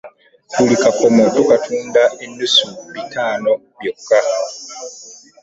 Buli kakomo tukatunda ennusu bitaano byoka.